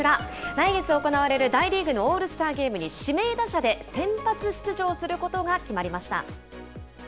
来月行われる大リーグのオールスターゲームに指名打者で先発出場することが決まりました。